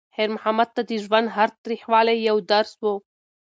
خیر محمد ته د ژوند هر تریخوالی یو درس و.